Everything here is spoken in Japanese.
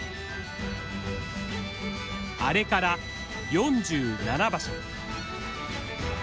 あれから４７場所。